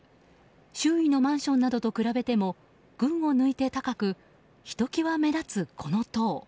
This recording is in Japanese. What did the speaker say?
周囲のマンションなどと比べても群を抜いて高くひときわ目立つ、この塔。